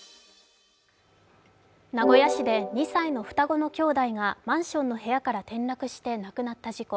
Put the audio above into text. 名古屋市で２歳の双子の兄弟がマンションの部屋から転落して亡くなった事故。